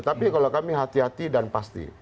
tapi kalau kami hati hati dan pasti